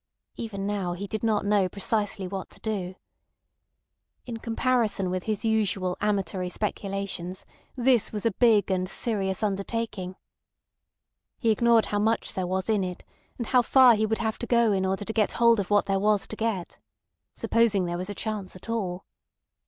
Even now he did not know precisely what to do. In comparison with his usual amatory speculations this was a big and serious undertaking. He ignored how much there was in it and how far he would have to go in order to get hold of what there was to get—supposing there was a chance at all.